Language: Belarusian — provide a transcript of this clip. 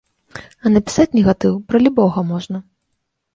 А напісаць негатыў пра любога можна.